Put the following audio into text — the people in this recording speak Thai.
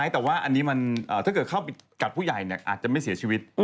แต่ว่าอันนี้มันถ้าเกิดเข้าไปกัดผู้ใหญ่อาจจะไม่เสียชีวิต